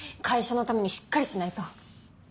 会社のためにしっかりしないと。